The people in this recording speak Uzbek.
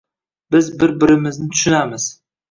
Biz bir-birimizni tushunamiz